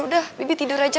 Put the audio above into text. udah bibi tidur aja